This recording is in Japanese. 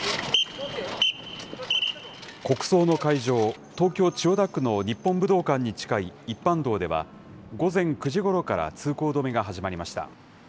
国葬の会場、東京・千代田区の日本武道館に近い一般道では、午前９時ごろから通行止めが始まりました。